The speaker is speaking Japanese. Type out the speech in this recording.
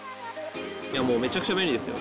いや、もうめちゃくちゃ便利ですよ。